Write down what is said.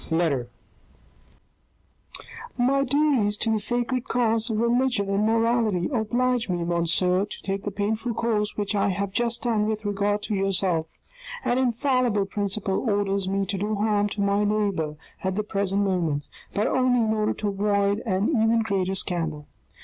LETTER " My duties to the sacred cause of religion and morality, oblige me, monsieur, to take the painful course which I have just done with regard to yourself: an infallible principle orders me to do harm to my neighbour at the present moment, but only in order to avoid an even greater scandal.